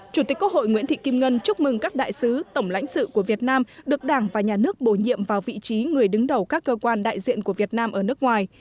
chủ tịch quốc hội nguyễn thị kim ngân chúc mừng các đại sứ tổng lãnh sự của việt nam được đảng và nhà nước bổ nhiệm vào vị trí người đứng đầu các cơ quan đại diện của việt nam ở nước ngoài